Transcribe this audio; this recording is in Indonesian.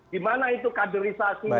di mana itu kaderisasinya